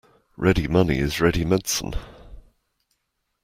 Ready money is ready medicine.